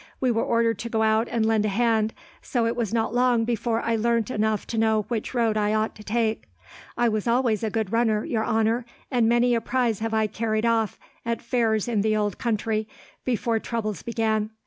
We were ordered to go out and lend a hand, so it was not long before I learnt enough to know which road I ought to take. I was always a good runner, your honour, and many a prize have I carried off, at fairs in the old country, before troubles began.